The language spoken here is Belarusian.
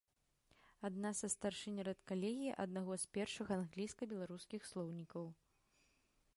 Адна са старшынь рэдкалегіі аднаго з першых англійска-беларускіх слоўнікаў.